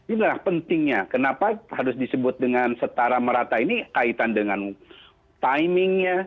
inilah pentingnya kenapa harus disebut dengan setara merata ini kaitan dengan timingnya